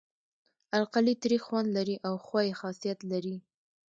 القلي تریخ خوند لري او ښوی خاصیت لري.